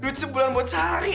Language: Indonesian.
duit sebulan buat sehari